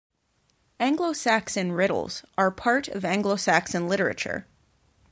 Anglo-Saxon riddles are part of Anglo-Saxon literature.